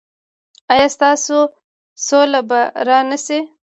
ایا ستاسو سوله به را نه شي؟